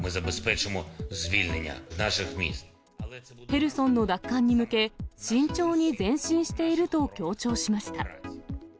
ヘルソンの奪還に向け、慎重に前進していると強調しました。